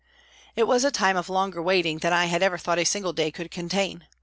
It was a time of longer waiting than I had ever thought a single day could contain.